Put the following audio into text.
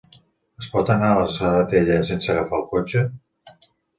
Es pot anar a la Serratella sense agafar el cotxe?